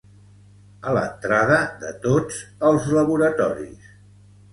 A l'entrada de tots els laboratoris.